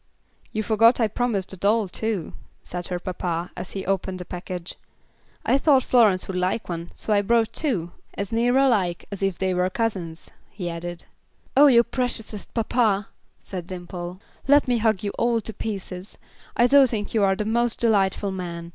"You forgot I promised a doll, too," said her papa, as he opened a package. "I thought Florence would like one, so I brought two, as near alike as if they were cousins," he added. "Oh! you preciousest papa," said Dimple; "let me hug you all to pieces. I do think you are the most delightful man.